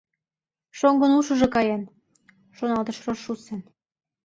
“Шоҥгын ушыжо каен!” — шоналтыш Рошуссен.